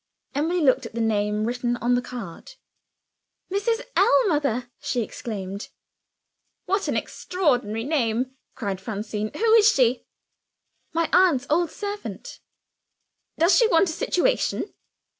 Emily looked at the name written on the card. "Mrs. Ellmother!" she exclaimed. "What an extraordinary name!" cried Francine. "Who is she?" "My aunt's old servant." "Does she want a situation?"